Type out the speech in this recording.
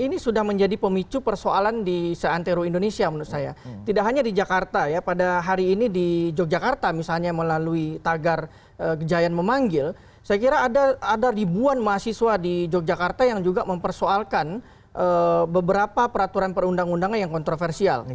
ini sudah menjadi pemicu persoalan di seantero indonesia menurut saya tidak hanya di jakarta ya pada hari ini di yogyakarta misalnya melalui tagar jayan memanggil saya kira ada ribuan mahasiswa di yogyakarta yang juga mempersoalkan beberapa peraturan perundang undangan yang kontroversial